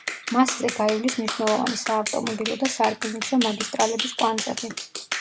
მასზე გაივლის მნიშვნელოვანი საავტომობილო და სარკინიგზო მაგისტრალების კვანძები.